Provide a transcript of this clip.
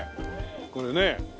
これね。